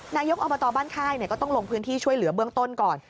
นายกอบตบ้านค่ายก็ต้องลงพื้นที่ช่วยเหลือเบื้องต้นก่อน